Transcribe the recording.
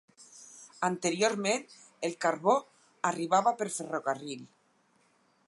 Anteriorment, el carbó arribava per ferrocarril.